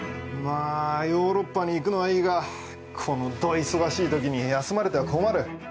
ヨーロッパに行くのはいいが、このど忙しいときに休まれては困る。